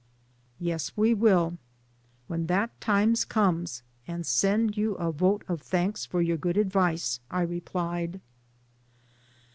"Yes, we will when that times comes and send you a vote of thanks for your good ad vice," I replied.